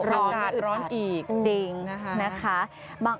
ร้อนร้อนอีกจริงนะคะ